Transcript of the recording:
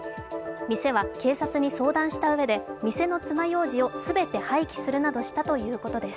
店は警察に相談したうえで店の爪ようじを全て廃棄するなどしたということです。